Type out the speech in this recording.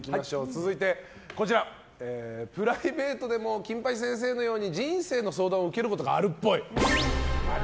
続いて、プライベートでも金八先生のように人生の相談を受けることがあるっぽい。